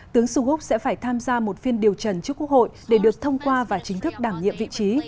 tướng suhuk sẽ phải tham gia một phiên điều trần trước quốc hội để được thông qua và chính thức đảm nhiệm vị trí